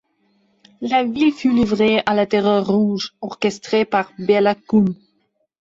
La ville fut livrée à la terreur rouge, orchestrée par Béla Kun.